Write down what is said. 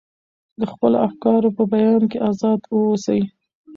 د خپلو افکارو په بیان کې ازاد واوسو.